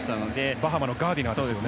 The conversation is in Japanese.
バハマのガーディナーですよね。